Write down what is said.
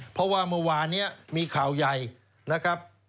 เพราะว่าเมื่อวานนี้มีข่าวใหญ่นะครับ